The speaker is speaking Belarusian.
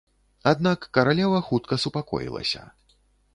Аднак каралева хутка супакоілася.